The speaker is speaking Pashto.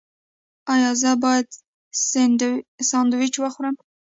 ایا زه باید سنډویچ وخورم؟